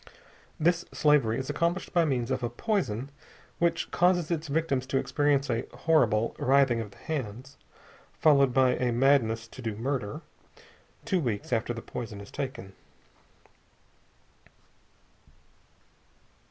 This slavery is accomplished by means of a poison which causes its victims to experience a horrible writhing of the hands, followed by a madness to do murder, two weeks after the poison is taken.